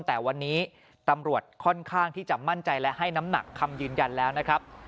แต่วันนี้ตำรวจค่อนข้างที่จะมั่นใจและให้น้ำหนักคำยืนยันแล้วนะครับ